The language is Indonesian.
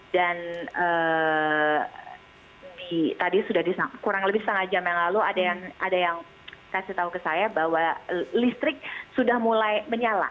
dan tadi sudah kurang lebih setengah jam yang lalu ada yang kasih tahu ke saya bahwa listrik sudah mulai menyala